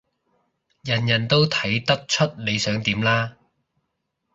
人人都睇得出你想點啦